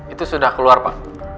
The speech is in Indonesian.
itu sudah keluar pak